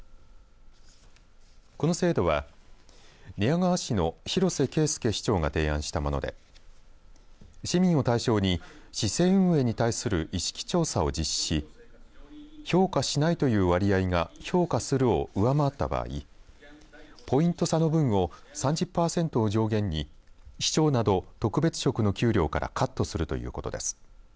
この制度は寝屋川市の広瀬慶輔市長が提案したもので市民を対象に、市政運営に対する意識調査を実施し評価しないという割合が評価するを上回った場合ポイント差の分を３０パーセントを上限に市長など、特別職の給料からカットするということです。